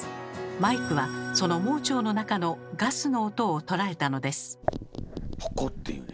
マイクはその盲腸の中のガスの音を捉えたのです。